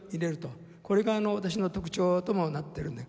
これが私の特徴ともなってるね。